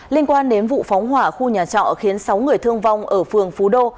liên quan đến vụ phóng hỏa khu nhà trọ khiến sáu người thương vong ở phường phú đô